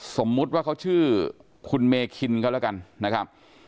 สมมุติว่าเขาชื่อคุณเมคินก็แล้วกันนะครับ